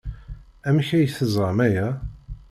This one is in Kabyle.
Amek ay teẓram aya?